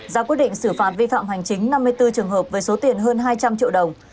ra quyết định xử phạt vi phạm hành chính năm mươi bốn trường hợp với số tiền hơn hai trăm linh triệu đồng